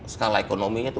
skala ekonominya itu